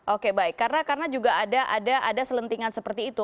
oke baik karena juga ada selentingan seperti itu